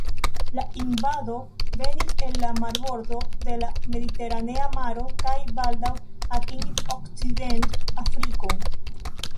La invado venis el la marbordo de la Mediteranea maro kaj baldaŭ atingis Okcident-Afrikon.